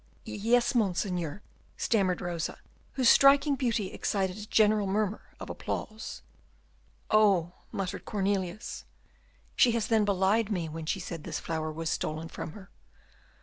"Yes, Monseigneur," stammered Rosa, whose striking beauty excited a general murmur of applause. "Oh!" muttered Cornelius, "she has then belied me, when she said this flower was stolen from her.